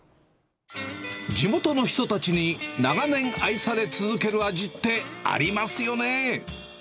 地元の人たちに長年愛され続ける味ってありますよね。